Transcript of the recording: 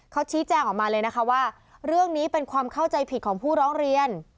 เขาชี้แจงออกมาเลยนะคะว่าเรื่องนี้เป็นความเข้าใจผิดของผู้ร้องเรียน